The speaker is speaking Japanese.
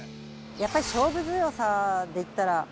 やっぱり勝負強さで言ったら。